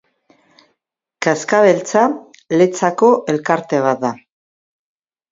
Kaxkabeltza Letzako elkarte bat da.